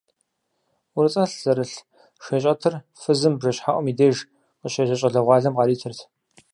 ӀурыцӀэлъ зэрылъ шейщӀэтыр фызым бжэщхьэӀум и деж къыщежьэ щӀалэгъуалэм къаритырт.